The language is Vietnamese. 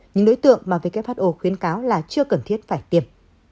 những đối tượng mà who khuyến cáo là chưa cần thiết phải tiêm